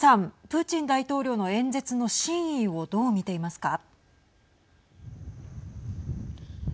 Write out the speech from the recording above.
プーチン大統領の演説の真意をどう見ていますか。